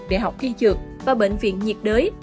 đại học thi trược và bệnh viện nhiệt đới